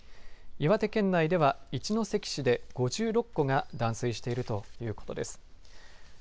岩手県内では一関市で５６戸が断水しているということです。